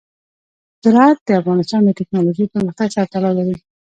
زراعت د افغانستان د تکنالوژۍ پرمختګ سره تړاو لري.